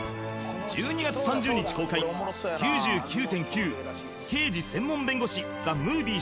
１２月３０日公開「９９．９−刑事専門弁護士−ＴＨＥＭＯＶＩＥ」